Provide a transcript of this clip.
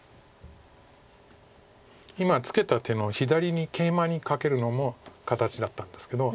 今ツケた手の左にケイマにカケるのも形だったんですけど。